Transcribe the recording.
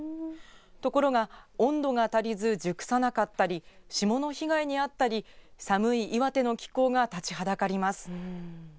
ところが温度が足りず熟さなかったり霜の被害に遭ったり寒い岩手の気候が立ちはだかります。